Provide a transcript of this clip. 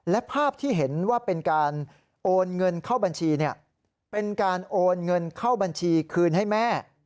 และภาพที่เห็นว่าเป็นการโอนเงินเข้าบัญชีเป็นการโอนเงินเข้าบัญชีคืนให้แม่